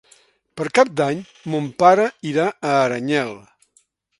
Per Cap d'Any mon pare irà a Aranyel.